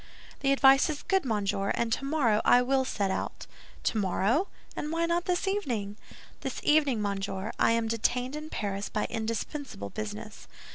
"The advice is good, monsieur, and tomorrow I will set out." "Tomorrow! Any why not this evening?" "This evening, monsieur, I am detained in Paris by indispensable business."